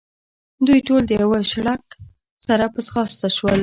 دوی ټول د یوه شړک سره په ځغاسته شول.